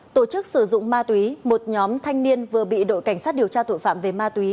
tổ chức sử dụng ma túy một nhóm thanh niên vừa bị đội cảnh sát điều tra tội phạm về ma túy